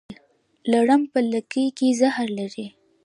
لړم په لکۍ کې زهر لري